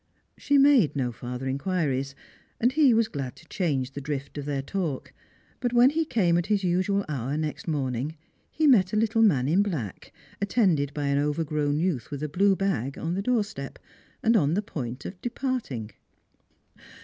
She made no farther inquiries, and he was glad to change the drift of their talk; but when he came at his usual hour next morning, he met a little man in black, attended by an over grown youth with a blue bag, on the doorstep, and on the point of departing.